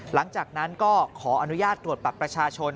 หลังจากนั้นก็ขออนุญาตตรวจบัตรประชาชน